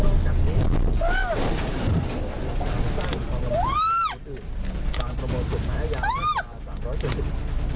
อุ๊ย